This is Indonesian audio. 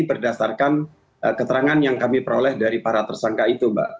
berdasarkan keterangan yang kami peroleh dari para tersangka itu mbak